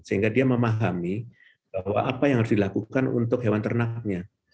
sehingga dia memahami bahwa apa yang harus dilakukan untuk hewan ternaknya